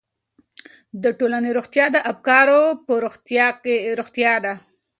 د ټولنې روغتیا د افکارو په روغتیا ده.